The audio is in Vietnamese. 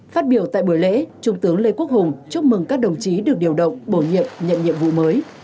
phát biểu tại buổi lễ trung tướng lê quốc hùng chúc mừng các đồng chí được điều động bổ nhiệm nhận nhiệm vụ mới